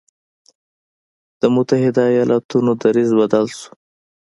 د متحدو ایالتونو دریځ بدل شو.